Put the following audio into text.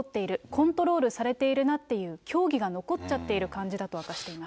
コントロールされているなっていう、教義が残っちゃってる感じだと明かしています。